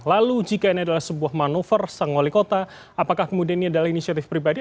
lalu jika ini adalah sebuah manuver sang wali kota apakah kemudian ini adalah inisiatif pribadi